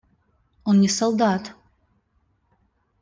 Он не солдат.